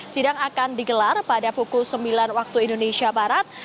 sidang akan digelar pada pukul sembilan waktu indonesia barat